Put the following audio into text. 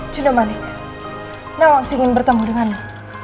juno manik nawang singin bertemu denganmu